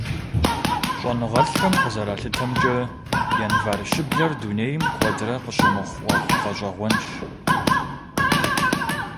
ЩӀэныгъэлӀхэм къызэралъытэмкӀэ, январь щыблэр дунейм куэдрэ къыщымыхъу Ӏуэху гъэщӀэгъуэнщ.